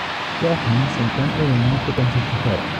Lohan se encuentra en un auto con su chófer.